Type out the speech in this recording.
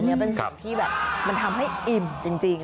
อันนี้เป็นสิ่งที่มันทำให้อิ่มจริง